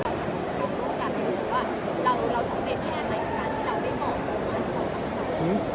ทั้งโครงการรู้สึกว่าเราทำได้แค่อันไหนนะคะที่เราได้บอกเพื่อนที่เราตามใจ